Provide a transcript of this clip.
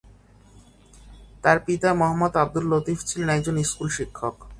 তার পিতা মোহাম্মদ আবদুল লতিফ ছিলেন একজন স্কুল শিক্ষক।